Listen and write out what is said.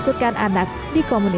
pertanyaan dari penulis